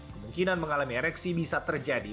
kemungkinan mengalami ereksi bisa terjadi